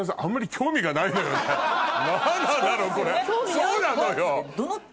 そうなのよ。